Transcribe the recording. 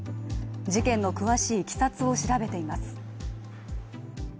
事件の詳しいいきさつを調べています。